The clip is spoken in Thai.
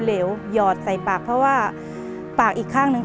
เหลวหยอดใส่ปากเพราะว่าปากอีกข้างหนึ่ง